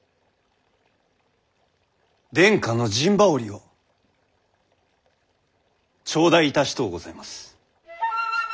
殿下の陣羽織を頂戴いたしとうございます。